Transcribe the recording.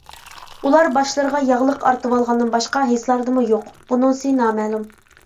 ئۇلار باشلىرىغا ياغلىق ئارتىۋالغاندىن باشقا ھېسلاردىمۇ-يوق؟ بۇنىسى نامەلۇم.